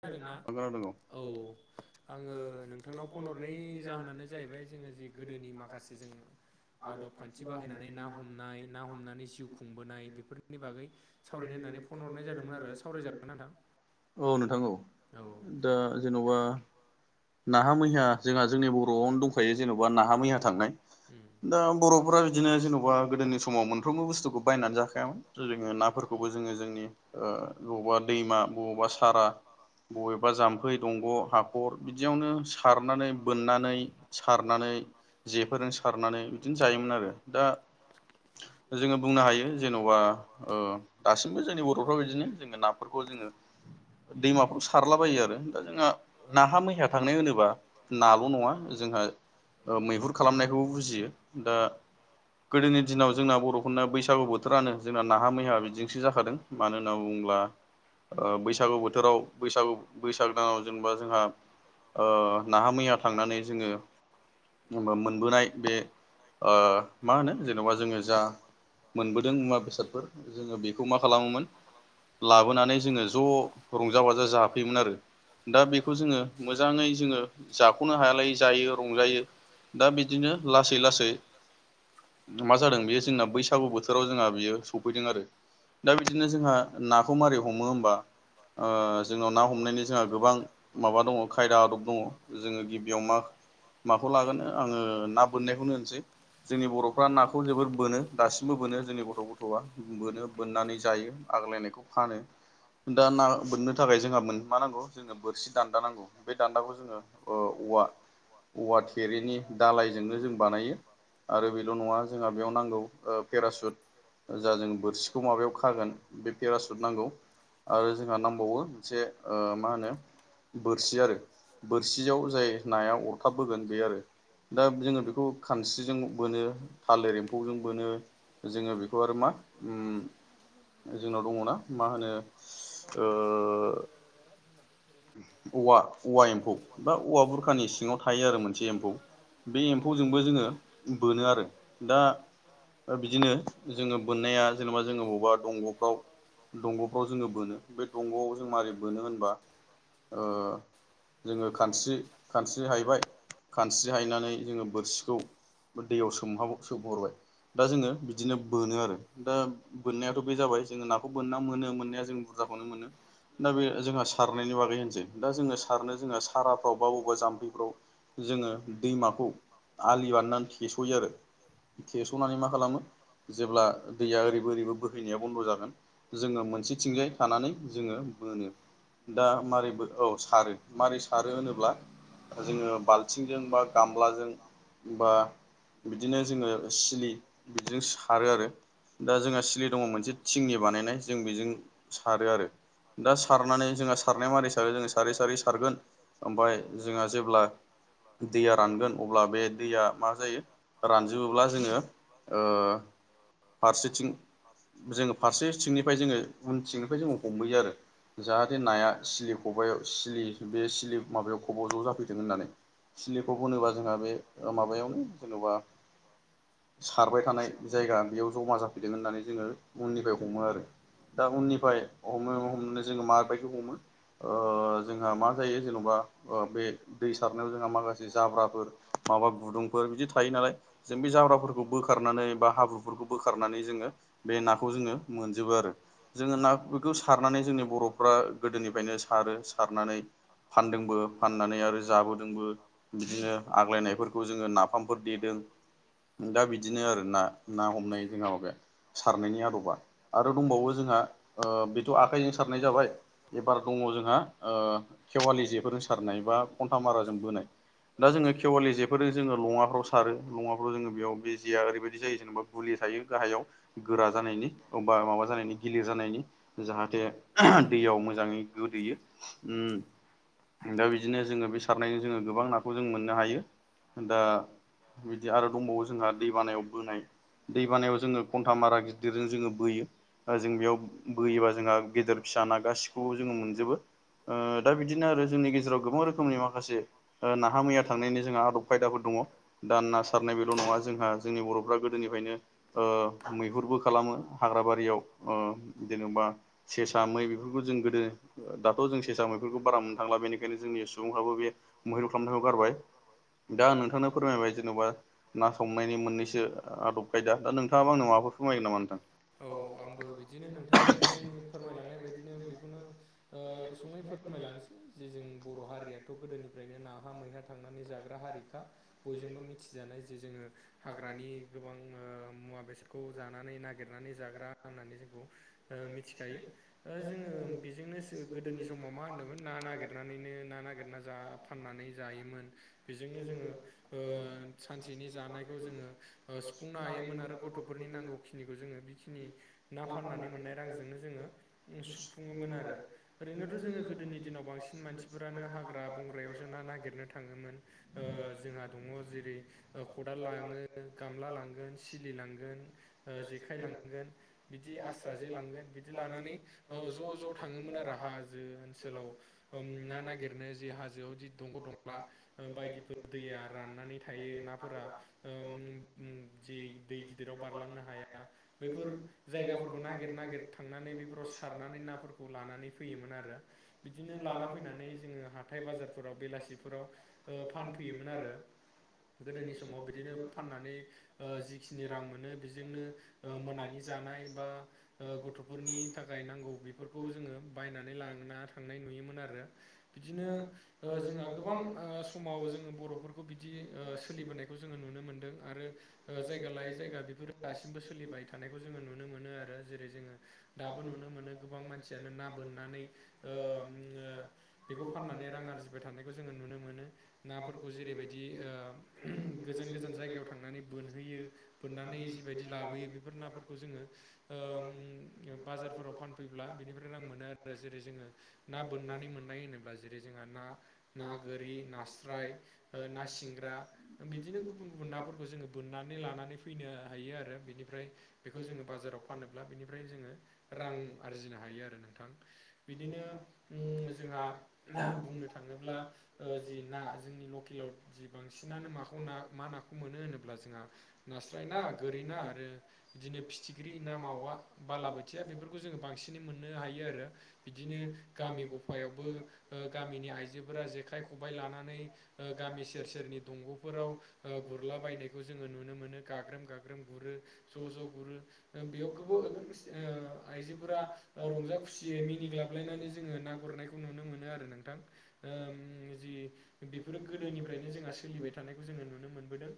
खोनादों ना? औ आङो नोंथांनाव फन हरनाय जाहोनानो जाहैबाय जोङो गोदोनि माखासे जों आदब खान्थि बाहायनानै ना हमनाय ना हमनानै जिउ खुंबोनाय बेफोरनि बागै सावरायनाय होननानै फन हरनाय जादोंमोन आरो सावरायजागोन ना नोंथां? थांगौ दा जेन'बा नाहा मैया जोंहा जोंनि बर'आवनो दंखायो जेन'बा नाहा मैया थांनाय दा बर'फोरा बिदिनो जेन'बा गोदोनि समाव मोनफ्रोमबो बुस्थुखौ बायनानै जा खामोन जोङो नाफोरखौबो जोङो जोंनि बबावबा दैमा बबावबा सारा बबेबा जाम्फै दंग' हाखर बिदियावनो सारनानै बोननानै सारनानै जेफोरजों सारनानै बिदिनो जायोमोन आरो दा जोङो बुंनो हायो जेन'बा ओ दासिमबो जोंनि बर'फ्रा बिदिनो जोङो नाफोरखौ जोङो दैमाफ्राव सारलाबायो आरो दा जोंहा नाहा मैया थांनाय होनोब्ला नाल' नङा जोंहा मैहुर खालामनायखौबो बुजियो दा गोदोनि दिनाव जोंना बर'फोरना बैसागु बोथोरानो जोंना नाहा मैहा बिदिंसो जाखादों मानो होनना बुङोब्ला बैसागु बोथोराव बैसागु बैसागो दानाव जेनेबा जोंहा ओ नाहा मैया थांनानै जोङो मोनबोनाय बे ओ माहोनो जेनेबा जोङो जा मोनबोदों मुवा बेसादफोर, जोङो बेखौ मा खालामोमोन लाबोनानै जोङो ज' रंजा बाजा जाफैयोमोन आरो दा बेखौ जोङो मोजाङै जोङो जाख'नो हायालाय जायो रंजायो दा बिदिनो लासै लासै मा जादों बेयो जोंना बैसागु बोथोराव जोंहा बियो सफैदों आरो। दा बिदिनो जोंहा नाखौ मारै हमो होमबा जोंनाव ना हमनायनि जोंहा गोबां माबा दङ खायदा आदब दङ जोङो गिबियाव मा माखौ लागोन आङो ना बोननायखौनो होनोसै जोंनि बर'फ्रा नाखौ जोबोर बोनो दासिमबो बोनो जोंनि गथ' गथ'आ बोनो बोननानै जायो आग्लायनायखौ फानो, दा ना बोननो थाखाय जोंहा मोन मा नांगौ जोंङनो बोरसि दान्दा नांगौ, बे दान्दाखौ जोङो औवा औवा थेरिनि दालायजोंनो जों बानायो आरो बेल' नङा जोंहा बेयाव नांगौ ओ पेरासुट। जा जों बोरसिखौ माबायाव खागोन बे पेरासुट नांगौ आरो जोंहा नां बावो जे ओ माहोनो बोरसि आरो। बोरसियाव जाय नाया अरथाब बोगोन बे आरो दा जोङो बेखौ खानस्रिजों बोनो। थालिर एम्फौजों बोनो जोङो बेखौ आरो मा ओम। जोंनाव दङना मा होनो ओ औवा औवा एम्फौ बा औवा बुरखानि सिङाव थायो आरो मोनसे एम्फौ बे एम्फौजोंबो जोङो बोनो आरो दा दा बिदिनो जोङो बोननाया जेनेबा जोङो बबावबा दंग'फ्राव दंग'फ्राव जोङो बोनो बे दंग'आव जों मारै बोनो होनबा जोङो खानस्रि खानस्रि हायबाय खानस्रि हायनानै जोङो बोरसिखौ दैयाव सोमहाब सोमहरबाय दा जोङो बिदिनो बोनो आरो दा बोन्नायाथ' बे जाबाय जोङो नाखौ बोनना मोनो मोननाया जों बुरजाखौनो मोनो दा बे जोंहा सारनायनि बागै होनसै दा जोङो सारनो जोंहा साराफ्राव बबा बबेबा जाम्फैफ्राव जोङो दैमाखौ आलि बारनानै थेस'यो आरो थेस'नानै मा खालामो जेब्ला दैया ओरैबो ओरैबो बोहैनाया बन्द' जागोन जोङो मोनसेथिंजाय सानानै जोङो मोनोनो दा मारैबो औ सारो मारै सारो होनोब्ला जोङो बाल्थिंजों बा गामलाजों बा बिदिनो जोङो सिलि बिदिजों सारो आरो दा जोंहा सिलि दङ मोनसे थिंनि बानायनाय जों बेजों। दा सारनानै जोंहा सारनाया मारै सारो जोङो सारै सारै सारगोन। ओमफाय जोंहा जेब्ला दैया रानगोन अब्ला बे दैया मा जायो। रानजोबोब्ला जोङो ओ। फारसेथिं जोङो फारसेथिंनिफ्राय जोङो उनथिंनिफ्राय जोङो हमहैयो आरो। जाहाथे नाया सिलि खबायाव सिलि बे सिलि माबायाव खबाव ज' जाफैथों होननानै। सिलिखौ बोनोबा जोंहा बे माबायावनो जेन'बा। [inaudible] सारबाय थानाय जायगा बेयाव जमा जाफैदों होननानै जोङो उननिफ्राय हमो आरो। दा उननिफ्राय हमनो हमनो जोङो माबायदि हमो। ओ जोंहा मा जायो जेन'बा ओ बे। दै सारनायाव जोंहा माखासे जाब्राफोर माबा गुदुंफोर बिदि थायो नालाय। जों बे जाब्राफोरखौ बोखारनानै बा हाबुफोरखौ बोखारनानै जोङो। बे नाखौ जोङो मोनजोबो आरो। जोङो ना बेखौ सारनानै जोंनि बर'फ्रा गोदोनिफ्रायनो सारो सारनानै। फानदोंबो फाननानै आरो जाबोदोंबो। बिदिनो आग्लायनायफोरखौ जोङो नाफामफोर देदों। दा बिदिनो आरो ना ना हमनाय जोंहा माबे सारनायनि आदबा आरो दंबावो। ओ बेथ' आखाइजों सारनाय जाबाय एबार दङ जोंहा ओ। खेवालि जेफोरजों सारनाय बा खन्था माराजों बोनाय दा जोङो खेवालि जेफोर जोङो लङाफ्राव सारो लङाफ्राव जोङो बेयाव बे जिया ओरैबायदि जायो जेनेबा गुलि थायो गाहायाव गोरा जानायनि अबा माबा जानायनि गिलिर जानायनि जाहाथे दैयाव मोजाङै गोदैयो दा बिदिनो जोङो बे सारनायजों जोङो गोबां नाखौ जों मोननो हायो दा बिदि आरो दंबावो जोंहा दैबानायाव बोनाय दै बानायाव जोङो घन्था मारा गिदिरजों जोङो बोयो जों बेयाव बोयोबा जोंहा गेदेर फिसा ना गासिखौबो जोङो मोनजोबो दा बिदिनो आरो जोंनि गेजेराव गोबां रोखोमनि माखासे नाहा मैया थांनायनि जोंहा आदब खायदाफोर दङ दा ना सारनाय बेल' नङा जोंहा जोंनि बर'फ्रा गोदोनिफ्रायनो मैहुरबो खालामो हाग्राबारियाव जेनेबा सेसा मै बेफोरखौ जों गोदो दाथ' जों ससां मैफोरखौ बारा मोननो थांला बेनिखायनो जोंनि सुबुंफ्राबो बे महिल खालामनायखौ गारबाय दा आं नोंथांनो फोरमायबाय जेन'बा ना संनायनि मोननैसो आदब खायदा दा नोंथाङाबा आंनाव माबाफोर फोरमायगोन नामा नोंथां औ आंबो बिदिनो नोंथांनो फोरमायलांनाय बायदिनो बेखौनो ओ ओ गुसुङै फोरमायलांसै जे जों बर' हारियाथ' गोदोनिफ्रायनो नाहा मैहा। थांनानै जाग्रा हारिखा बयजोंबो मिथिजानाय जे जोङो हाग्रानि गोबां ओ। मुवा बेसादखौ जानानै नागिरनानै जाग्राहोनानै जोंखौ मिथि जायो ओ जोङो बेजोंनोसो गोदोनि समाव मा होनदोंमोन ना नागिरनानैनो ना नागिरना जा फाननानै जायोमोन बेजोंनो जोङो सानसेनि जानायखौ जोङो सुफुंनो हायोमोन आरो गथ'फोरनि नांगौ खिनिखौ जोङो बेखिनि ना फाननानै मोननाय नो जोङो सुफुङोन आरो ओरैनोथ' जोो गोदोनि दिनाव बांसिन मानसि फोरानो हाग्रा बंग्रायावसो ना नागिरनो थाङोमोन जोंहा दङ जेरै खदाल लाङो गामला लांगोन सि लि लांगोन ओ जेखाय लांगोन बिदि आस्रा जे लांगोन बि दि लानानै ज' ज' थाङोमोन आरो हाजो ओनसोलाव ना नागिरनो जि हाजोआव दंग' दंला बायदिफोर दैया राननानै थायो नाफोरा ओ जि दै गिदिराव बारलांनो हाया बैफोर जायगाफोरखौ नागिर नागिर थांनानै बेफोराव सारनानै नाफोरखौ लानानै फैयोमोन आरो बिदिनो लाना फैनानै जोङो हाथाय बाजारफोराव बेलासिफोराव फानफैयोमोन आरो। गोदोनि समाव बिदिनो फाननानै ओ जिखि नि रां मोन बेजोंनो मोनानि जानाय बा गथ' बे फोरनि थाखाय नांगौ बेफोरखौ जोङो बायनानै ला थांनाय नुयोमोन आरो। बिदिनो जोंहा गोबां समाव जोङो बर'फोरखौ बिदि ओ सोलिबोनाय खौ जोङो नुनो मोनदों आरो जाय गा लायै जायगा बेफोर दासिमबो सोलिबाय थानायखौ जोङो नुनो मोनो आरो जेरै जोङो दाबो नुनो मोनो गोबां मानसियानो ना बोननानै ओ बेखौ फाननानै रां आरजिबाय थानायखौ जोङो नुनो मोनो। नाफोरखौ जेरैबायदि ओ गोजान गोजान जायगायाव थांनानै बोनहैयो फोननानै जिबायदि लाबोयो बेफोर नाफोरखौ जोङो ओ बाजारफोराव फानफैब्ला बेनिफ्राय रां मोनो आरो जेरै जोङो ना बोननानै मोननाय होनोब्ला जेरै जोंहा ना ना गोरि नास्राय ना सिंग्रा बिदिनो गुबुन गुबुन नाफोरखौ जोङो बोननानै लानानै फैनो हायो आरो बेनिफ्राय बेखौ जोङो बाजाराव फानोब्ला बेनि ओमफ्राय जोङो रां आरजिनो हायो आरो नोंथां बिदिनो जोंहा बुंनो थाङोब्ला जि ना जोंनि लकेलाव जि बांसिनानो माखौ ना मा नाखौ नाखौ मोनो होनोब्ला जोंहा नास्राय ना गोरि ना आरो बिदिनो फिथिख्रि ना मावा बालाबोोथिया बेफोरखौ जोङो बांसिनै मोननो हायो आरो बिदिनो गामि गफायावबो गामिनि आइजोफोरा जेखाइ खबबाय लानानै गामि सेर सेरनि दंग'फोराव गुरला बायनायखौ जोङो नुनो मोनो। गाग्रोम गाग्रोम गुरो ज' ज' गुरो बेयाव गो आइजोफोरा रंजा खुसियै मिनिग्लाबलायनानै जोङो ना गुरनायखौ नुनो मोनो आरो नोंथां। जि बेफोरो गोदोनिफ्रायनो जोंहा सोलिबाय थानायखौ जोङो नुनो मोनबोदों।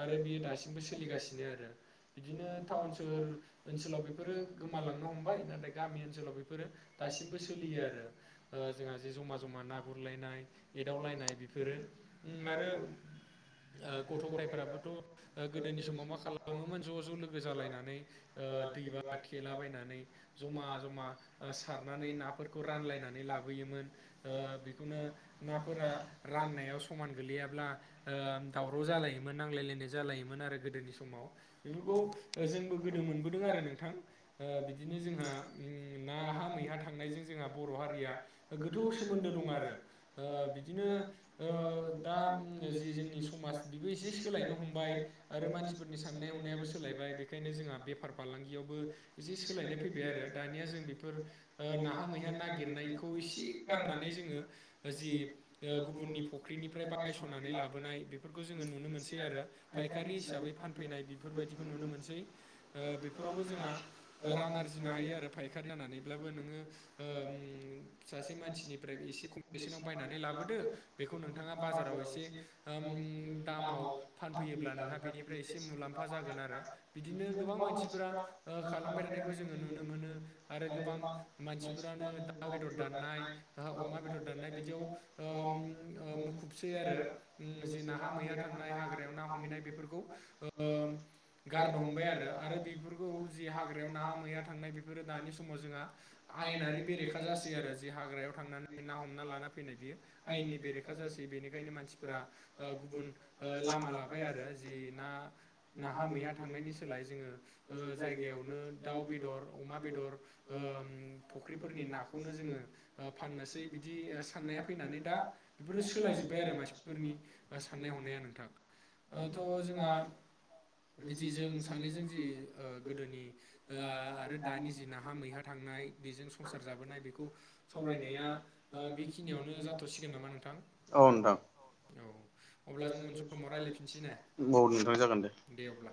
आरो बियो दासिमबो सोलिगासिनो आरो बिदिनो टाउन सोहोर ओनसोलाव बेफोर बेफोरो गोमालांनो हमबाय नाथाय गामि ओनसोलाव बेफोरो दासिमबो सोलियो आरो। जोंहा जिे जमा जमा ना गुरलायनाय एदावलायनाय बेफोरो आरो गथ' गथायफोराबोथ' ओ गोदोनि समाव मा खालामोमोन ज' ज' लोगो जालायनानै ओ दैबा थेलाबायनानै जमा जमा सारनानै नाफोरखौ रानलायनानै लाबोयोमोन। बेखौनो नाफोरा राननायाव समान गोलैयाब्ला ओ दावराव जालायोमोन नांलायलायनाय जा जालायोमोन आरो गोदोनि समाव बेफोरखौ जोंबो गोदो मोनबोदों आरो नोंथां। बिदिनो जोंहा ना हा मैहा थांनायजों जोंहा बर' हारिया गोथौ सोमोन्दो दं आरो बिदिनो दा जि जोंनि समाज बेबो एसे सोलायनो हमबाय आरो मानसिफोरनि साननाय हनायाबो सोलायबाय बेखायनो जोंहा बे बेफार फालांगियावबो एसे सोलायनाय फैबाय आरो दानिया जों बेफोर ओ नाहा मैहा नागिरनायखौ खौ इसे गारनानै जोङो जि ओ गुबुननि फुख्रिनिफ्राय बायस'नानै लाबोनाय बे बेफोरखौ जोङो नुनो मोनसै आरो फायखारि हिसाबै फानफैनाय बेफोरबायदिखौ नुनो मोनसै ओ बेफोरावबो जोंहा रां आरजिनो हायो आरो फायखार जानानैब्लाबो नोङो ओ सासे मानसिनिफ्राय एसे कम बेसेनाव बायनानै लाबोदो बेखौ नोंथाङा बाजाराव एसे ओम दामाव फानफैयो नोंहा बेनिफ्राय एसे मुलाम्फा जागोन आरो बिदिनो गोबां मानसिफोरा ओ खालामबाय थानायखौ जोङो नुनो मोनो आरो गोबां मानसिफोरानो दाउ बेदर दाननाय ओ अमा बेदर दाननाय बिदियाव ओ मुखुबसै आरो जे ओम नाहा मैहा थांनाय हाग्रायाव ना हमहैनाय बेफोरखौ ओ गारनो हमबाय आरो आरो बे खौ जि हाग्रायाव नाहा मैहा थांनाय बेफोरो दानि समाव जोंहा आयेनारि बेरेखा जासै आरो जि हाग्रायाव थांनानै ना हमना लाना फैनाय बियो आयेननि बेरेखा जासै बेनिखायनो मानसिफोरा ओ गुबुन ओ लामा लाबाय आरो जि ना नाहा मैहा थांनायनि सोलाय जोङो ओ जायगायावनो दाउ बेदर अमा बेदर ओम फुख्रिफोरनि नाखौनो जोङो ओ फाननोसै बिदि ओ साननाया फैनानै दा बेफोरो सोलाय जोब्बाय आरो मानसिफोरनि ओ साननाय हनाया नोंथां ओथ' जोंहा इदि जों सानैजों जि ओ गोदोनि ओ दानि जि नाहा मैहा थांनाय बेजों संसार जाबोनाय बेखौ सावरायनाया बेखिनियावनो जाथ'सिगोन नामा नोंथां अ नोंथां औ अब्ला जों मोन औ नोंथां जागोन दे दे अब्ला